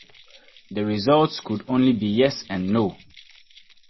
The results could only be 'yes' and 'no.